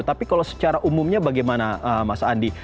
tapi kalau secara umumnya bagaimana mas andi